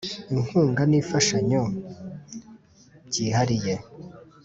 Inkunga N Imfashanyo Byihariye